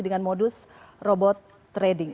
dengan modus robot trading